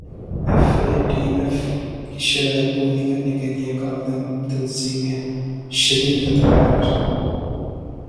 F A T F کی شرائط پوری کرنے کیلئے کالعدم تنظیمیںشدید خطرہ قرار